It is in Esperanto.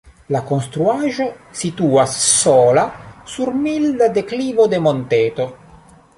La konstruaĵo situas sola sur milda deklivo de monteto.